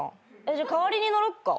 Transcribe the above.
じゃ代わりに乗ろっか？